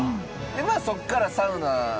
まあそこからサウナとか。